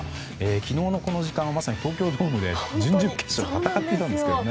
昨日のこの時間まさに東京ドームで準々決勝を戦っていたんですよね。